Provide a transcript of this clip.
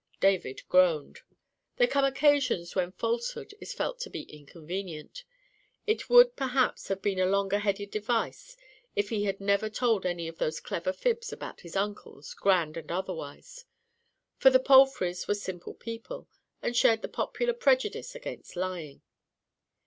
David groaned. There come occasions when falsehood is felt to be inconvenient. It would, perhaps, have been a longer headed device, if he had never told any of those clever fibs about his uncles, grand and otherwise; for the Palfreys were simple people, and shared the popular prejudice against lying.